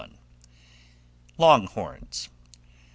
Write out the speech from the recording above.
LONG HORNS.